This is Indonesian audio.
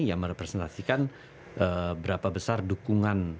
yang merepresentasikan berapa besar dukungan